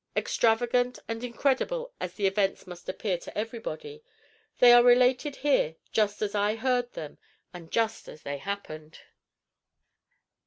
Extravagant and incredible as the events must appear to everybody, they are related here just as I heard them and just as they happened.